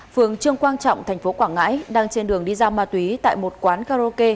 phường trương quang trọng tp quảng ngãi đang trên đường đi giao ma túy tại một quán karaoke